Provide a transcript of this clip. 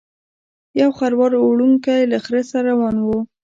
یو خروار وړونکی له خره سره روان و.